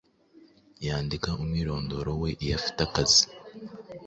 yandika umwirondoro we iyo afite akazi.